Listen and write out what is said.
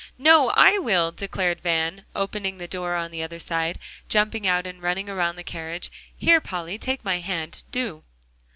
"No, I will," declared Van, opening the door on the other side, jumping out and running around the carriage. "Here, Polly, take my hand, do."